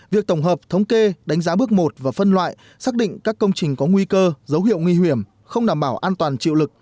việc tổng hợp thống kê đánh giá bước một và phân loại xác định các công trình có nguy cơ dấu hiệu nguy hiểm không đảm bảo an toàn chịu lực